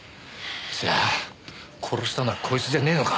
じゃあ殺したのはこいつじゃねえのか？